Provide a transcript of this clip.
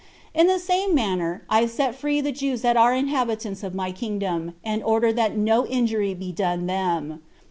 In the same manner, I set free the Jews that are inhabitants of my kingdom, and order that no injury be done them.